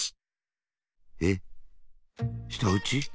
えっしたうち？